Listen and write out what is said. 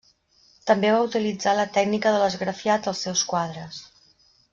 També va utilitzar la tècnica de l’esgrafiat als seus quadres.